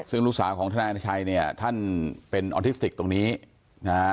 ซึ่งลูกสาวของทนายอนาชัยเนี่ยท่านเป็นออทิสติกตรงนี้นะฮะ